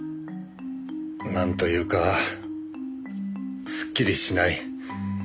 なんというかすっきりしない。